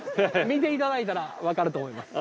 見ていただいたら分かると思います。